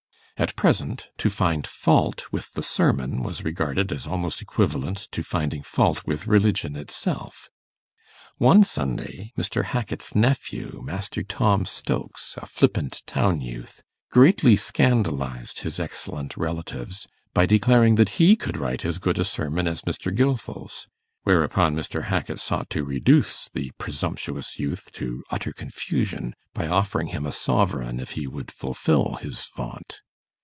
At present, to find fault with the sermon was regarded as almost equivalent to finding fault with religion itself. One Sunday, Mr. Hackit's nephew, Master Tom Stokes, a flippant town youth, greatly scandalized his excellent relatives by declaring that he could write as good a sermon as Mr. Gilfil's; whereupon Mr. Hackit sought to reduce the presumptuous youth to utter confusion, by offering him a sovereign if he would fulfil his vaunt.